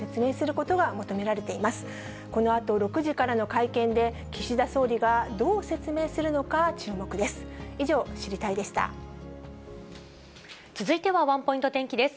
このあと６時からの会見で、岸田総理がどう説明するのか注目です。